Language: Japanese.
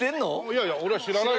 いやいや俺は知らない。